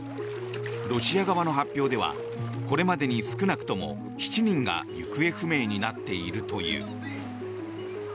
ロシア側の発表ではこれまでに少なくとも７人が行方不明になっているという。